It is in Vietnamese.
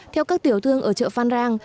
theo các tiểu thương ở chợ phan rang